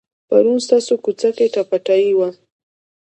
پرون ستاسو کوڅه کې ټپه ټایي وه.